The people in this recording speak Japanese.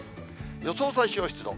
予想最小湿度。